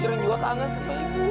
sering juga kangen sama ibu